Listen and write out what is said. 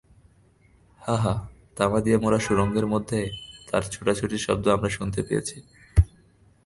হাঃ হাঃ, তামা দিয়ে মোড়া সুড়ঙ্গের মধ্যে তার ছুটোছুটির শব্দ আমরা শুনতে পেয়েছি।